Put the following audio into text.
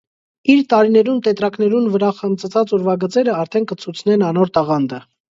Իր տարիներուն տետրակներուն վրայ խծմծած ուրուագիծերը արդէն կը ցուցնեն անոր տաղանդը։